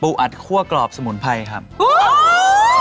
อัดคั่วกรอบสมุนไพรครับ